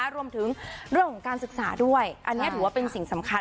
รวมถึงเรื่องของการศึกษาด้วยอันนี้ถือว่าเป็นสิ่งสำคัญ